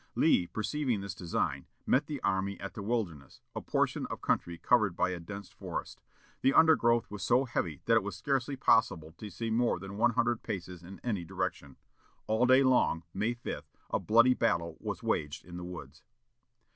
Lee, perceiving this design, met the army at the Wilderness, a portion of country covered by a dense forest. The undergrowth was so heavy that it was scarcely possible to see more than one hundred paces in any direction. All day long, May 5, a bloody battle was waged in the woods.